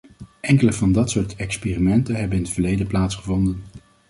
Enkele van dat soort experimenten hebben in het verleden plaatsgevonden.